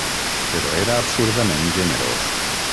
Però era absurdament generós.